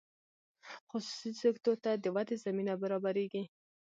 خصوصي سکتور ته د ودې زمینه برابریږي.